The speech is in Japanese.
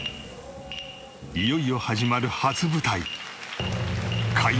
いよいよ始まる初舞台。